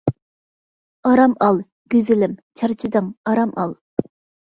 ئارام ئال، گۈزىلىم، چارچىدىڭ، ئارام ئال.